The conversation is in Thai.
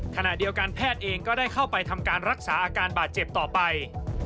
ขณะเดียวกันแพทย์เองก็ได้เข้าไปทำการรักษาอาการบาดเจ็บต่อไป